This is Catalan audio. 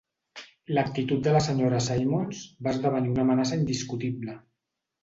L'actitud de la senyora Simmons va esdevenir una amenaça indiscutible.